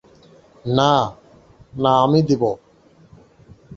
না, না আমি দিব।